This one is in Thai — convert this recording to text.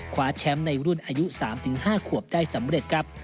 คว้าแชมป์ในรุ่นอายุ๓๕ขวบได้สำเร็จครับ